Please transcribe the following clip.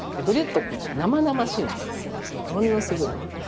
ものすごい生。